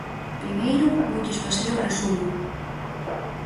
Primeiro, voulles facer o resumo.